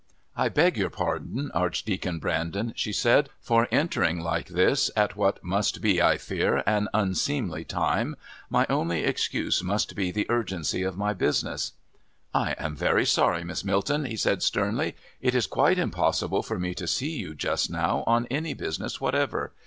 "I beg your pardon, Archdeacon Brandon," she said, "for entering like this at what must be, I fear, an unseemly time. My only excuse must be the urgency of my business." "I am very sorry, Miss Milton," he said sternly; "it is quite impossible for me to see you just now on any business whatever.